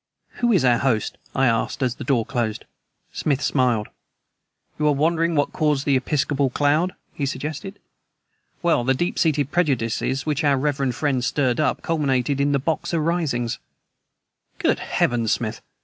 "Who is our host?" I asked, as the door closed. Smith smiled. "You are wondering what caused the 'episcopal cloud?'" he suggested. "Well, the deep seated prejudices which our reverend friend stirred up culminated in the Boxer Risings." "Good heavens, Smith!"